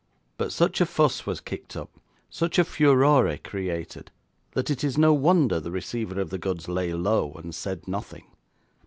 But such a fuss was kicked up, such a furore created, that it is no wonder the receiver of the goods lay low, and said nothing.